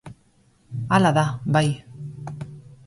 Hala da, bai.